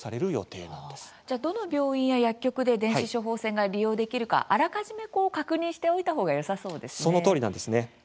どの病院や薬局で電子処方箋が利用できるかあらかじめ確認しておいた方がそのとおりなんですね。